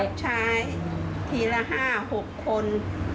มีคนรับชายทีละ๕๖คน